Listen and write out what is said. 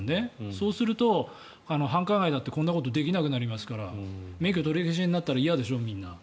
そうすると繁華街だってこんなことできなくなりますから免許取り消しになったら嫌でしょ、みんな。